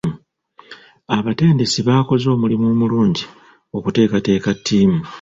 Abatendesi baakoze omulimu omulungi okuteekateeka ttiimu.